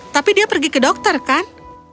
tapi dia pergi ke dokter kan